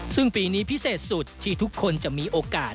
ซึ่งปีนี้พิเศษสุดที่ทุกคนจะมีโอกาส